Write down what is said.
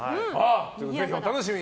ぜひお楽しみに。